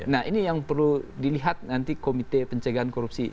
nah ini yang perlu dilihat nanti komite pencegahan korupsi